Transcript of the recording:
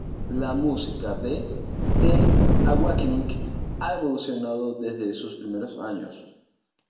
La música de The Awakening ha evolucionado desde sus primeros años.